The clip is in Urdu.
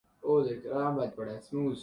نباتات اگانے ہی کیلئے تیار کی جاتی ہیں